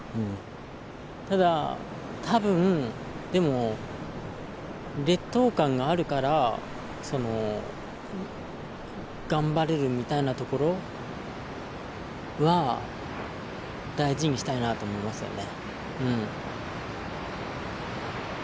ただ多分でも劣等感があるからその頑張れるみたいなところは大事にしたいなと思いますよね。